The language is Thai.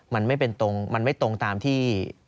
มันไม่ตรงตามที่